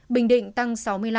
bình định tăng sáu mươi năm